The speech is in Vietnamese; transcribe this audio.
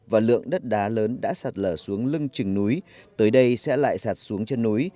và lượng đất đá lớn đã sạt lở xuống lưng trừng núi tới đây sẽ lại sạt xuống chân núi